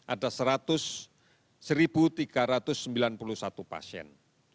ada satu tiga ratus sembilan puluh satu pasien